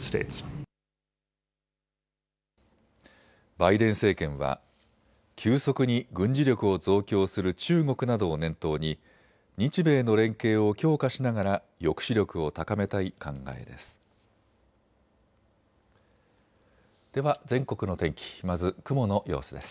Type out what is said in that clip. バイデン政権は急速に軍事力を増強する中国などを念頭に日米の連携を強化しながら抑止力を高めたい考えです。